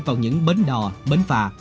vào những bến đò bến phà